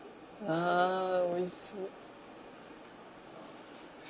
あおいしそう。